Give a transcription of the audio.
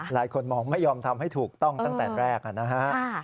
หลายคนมองไม่ยอมทำให้ถูกต้องตั้งแต่แรกนะฮะ